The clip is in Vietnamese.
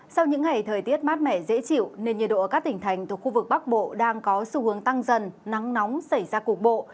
sau những ngày thời tiết mát mẻ dễ chịu nên nhiệt độ ở các tỉnh thành thuộc khu vực bắc bộ đang có xu hướng tăng dần nắng nóng xảy ra cục bộ